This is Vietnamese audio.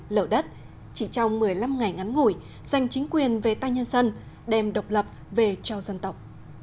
lở đất chỉ trong một mươi năm ngày ngắn ngủi dành chính quyền về tay nhân dân đem độc lập về cho dân tộc